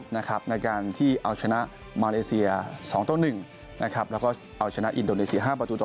ในการที่เอาชนะมาเลเซีย๒ต่อ๑นะครับแล้วก็เอาชนะอินโดนีเซีย๕ประตูต่อ